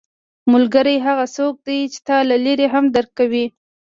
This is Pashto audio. ملګری هغه څوک دی چې تا له لرې هم درک کوي